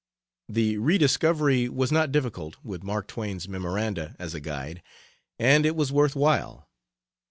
The re discovery was not difficult with Mark Twain's memoranda as a guide and it was worth while.